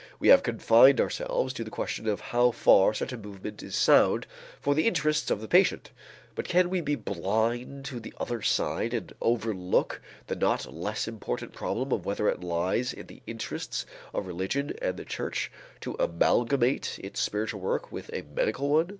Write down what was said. We have confined ourselves to the question of how far such a movement is sound for the interests of the patient; but can we be blind to the other side and overlook the not less important problem of whether it lies in the interests of religion and of the church to amalgamate its spiritual work with a medical one?